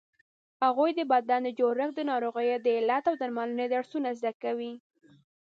هغوی د بدن د جوړښت، د ناروغیو د علت او درملنې درسونه زده کوي.